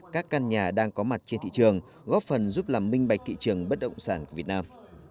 các căn nhà đang có mặt trên thị trường góp phần giúp làm minh bạch thị trường bất động sản của việt nam